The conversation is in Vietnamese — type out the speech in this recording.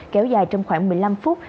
kéo dài trong khoảng một mươi năm phút